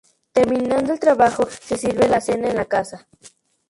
Terminado el trabajo, se sirve la cena en la casa.